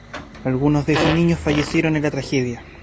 Algunos de esos niños fallecieron en la tragedia.